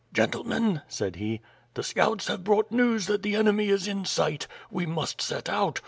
"Gentlemen," said he, "the scouts have brought news that the enemy is in sight. We must set out.